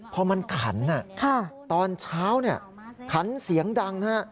พอมันขันตอนเช้าขันเสียงดังฮะ